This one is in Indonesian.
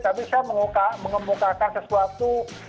tapi saya mengubah mengebukakan sesuatu